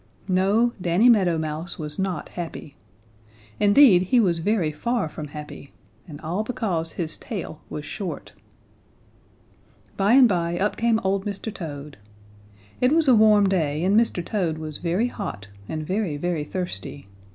No, Danny Meadow Mouse was not happy. Indeed, he was very far from happy, and all because his tail was short. By and by up came old Mr. Toad. It was a warm day and Mr. Toad was very hot and very, very thirsty.